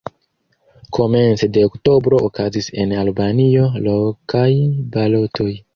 Komence de oktobro okazis en Albanio lokaj balotoj.